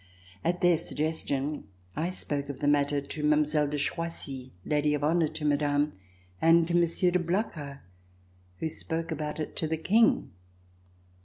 At their suggestion I spoke of the matter to Mile, de Choisy, Lady of Honor to Madame, and to Monsieur de Blacas who spoke about it to the King.